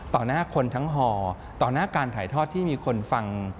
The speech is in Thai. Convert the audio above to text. หน้าคนทั้งห่อต่อหน้าการถ่ายทอดที่มีคนฟัง